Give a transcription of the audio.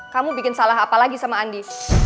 kamu bikin salah apa lagi sama andi